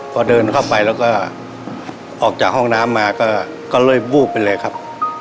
พอเดินเข้าไปแล้วก็ออกจากห้องน้ำมาก็เลยวูบไปเลยครับ